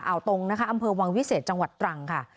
เอาตรงนะคะอำเภอวังวิเศษจังหวัดตรังค่ะ